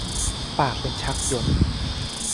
ปากเป็นชักยนต์